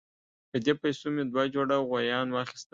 په دې پیسو مې دوه جوړه غویان واخیستل.